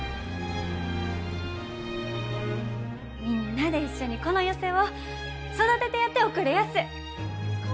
「みんなで一緒にこの寄席を育ててやっておくれやす」。